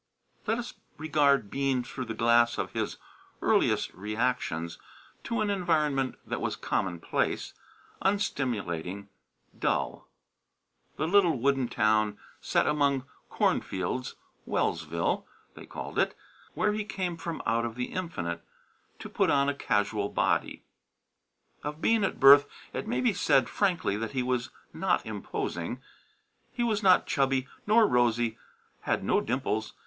Let us regard Bean through the glass of his earliest reactions to an environment that was commonplace, unstimulating, dull the little wooden town set among cornfields, "Wellsville" they called it, where he came from out of the Infinite to put on a casual body. Of Bean at birth, it may be said frankly that he was not imposing. He was not chubby nor rosy; had no dimples.